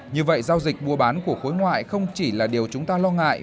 như vậy giao dịch mua bán của khối ngoại không chỉ là điều chúng ta lo ngại